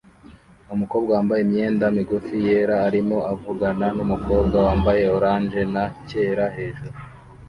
Umukobwa wambaye imyenda migufi yera arimo avugana numukobwa wambaye orange na cyera hejuru